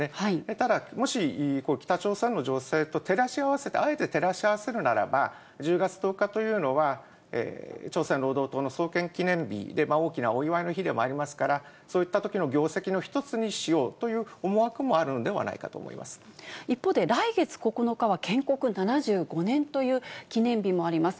ただ、もし北朝鮮の情勢と照らし合わせて、あえて照らし合わせるならば、１０月１０日というのは、朝鮮労働党の創建記念日で、大きなお祝いの日でもありますから、そういったときの業績の１つにしようという思惑もあるのではない一方で、来月９日は建国７５年という記念日もあります。